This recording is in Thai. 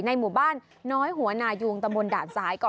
ในหมู่บ้านน้อยหัวหนายวงตะมนต์ด่านซ้าย